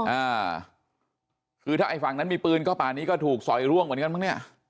อ่าคือถ้าไอ้ฝั่งนั้นมีปืนก็ป่านี้ก็ถูกสอยร่วงเหมือนกันมั้งเนี่ย